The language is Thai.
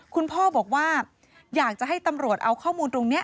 คุณพ่อบอกว่าอยากจะให้ตำรวจเอาข้อมูลตรงนี้